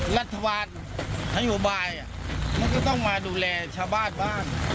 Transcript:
รัฐบาลถ้าอยู่บ้านมันก็ต้องมาดูแลชาวบ้านบ้าน